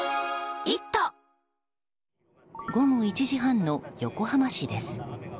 午後１時半の横浜市です。